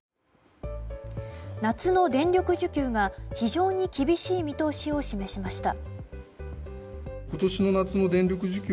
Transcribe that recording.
夏の電力需給が非常に厳しい見通しを示しました。